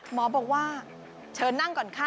หมอบอกว่าเชิญนั่งก่อนค่ะ